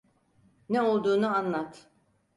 Ne olduğunu anlat.